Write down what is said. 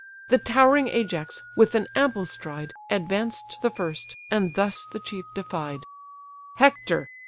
The towering Ajax, with an ample stride, Advanced the first, and thus the chief defied: "Hector!